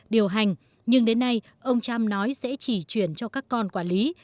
điều hành nhưng đến nay ông cham nói sẽ chỉ chuyển cho các con quản lý